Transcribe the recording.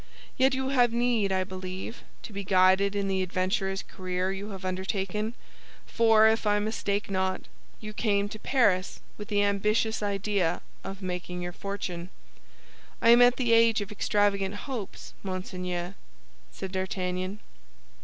Yet you have need, I believe, to be guided in the adventurous career you have undertaken; for, if I mistake not, you came to Paris with the ambitious idea of making your fortune." "I am at the age of extravagant hopes, monseigneur," said D'Artagnan.